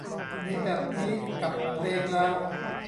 มีแบบนี้กับเพลงแล้ว